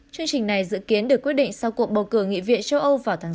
chương trình này dự kiến được quyết định sau cuộc bầu cử nghị viện châu âu vào tháng sáu